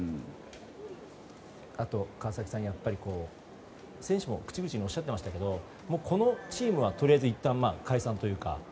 川崎さん、選手も口々におっしゃっていましたけどこのチームは、とりあえずいったん解散というか。